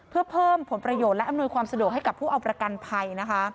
เพื่อเพิ่มผลประโยชน์และอำนวยความสะดวกให้กับผู้เอาประกันภัยนะคะ